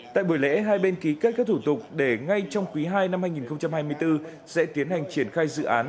tại buổi lễ hai bên ký kết các thủ tục để ngay trong quý ii năm hai nghìn hai mươi bốn sẽ tiến hành triển khai dự án